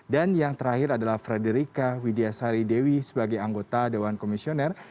dan yang terakhir adalah frederika widiasari dewi sebagai anggota dewan komisioner